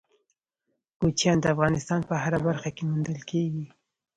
کوچیان د افغانستان په هره برخه کې موندل کېږي.